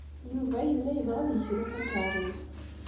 Yuba yella yebɣa ad yekru takeṛṛust.